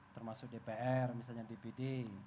termasuk dpr misalnya dpd